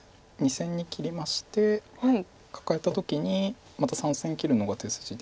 ２線に切りましてカカえた時にまた３線切るのが手筋で。